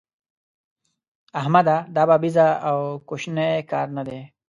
احمده! دا بابېزه او کوشنی کار نه دی.